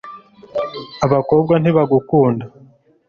abakobwa ntibagukunda